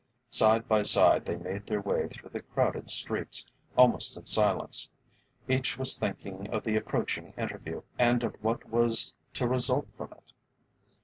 Side by side they made their way through the crowded streets, almost in silence. Each was thinking of the approaching interview, and of what was to result from it.